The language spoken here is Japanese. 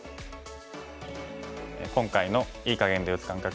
今回の“いい”かげんで打つ感覚